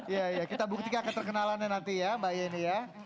ya kita buktikan keterkenalannya nanti ya mbak yeni ya